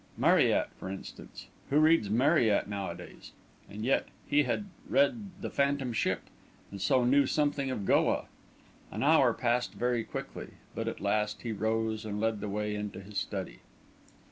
Marryat, for instance; who reads Marryat nowadays? And yet he had read the "Phantom Ship," and so knew something of Goa. An hour passed very quickly, but at last he rose and led the way into his study.